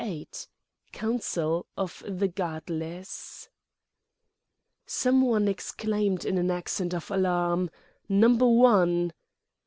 VIII COUNCIL OF THE GODLESS Someone exclaimed in an accent of alarm: "Number One!"